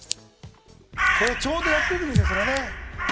これちょうどやってる時ですそれをね。